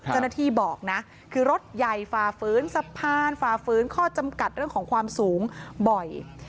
เจ้าหน้าที่บอกนะคือรถใหญ่ฝ่าฟื้นสะพานฝ่าฝืนข้อจำกัดเรื่องของความสูงบ่อย